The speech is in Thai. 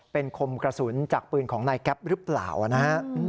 เป็นคมกระสุนจากปืนของนายแก๊ปหรือเปล่านะฮะ